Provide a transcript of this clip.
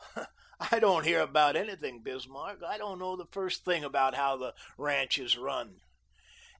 "I don't hear about anything, Bismarck. I don't know the first thing about how the ranch is run."